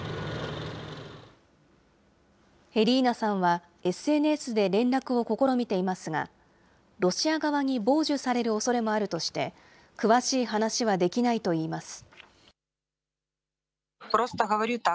エリーナさんは、ＳＮＳで連絡を試みていますが、ロシア側に傍受されるおそれもあるとして、詳しい話はできないといいます。